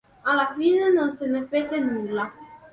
Alla fine non se ne fece nulla.